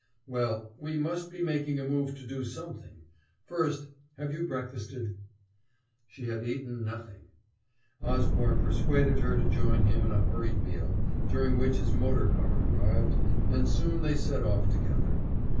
"Well, we must be making a move to do something first, have you breakfasted?" She had eaten nothing! Osborne persuaded her to join him in a hurried meal, during which his motor car arrived, and soon they set off together.